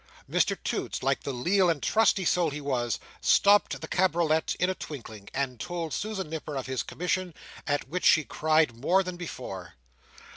Mr Toots, like the leal and trusty soul he was, stopped the cabriolet in a twinkling, and told Susan Nipper of his commission, at which she cried more than before.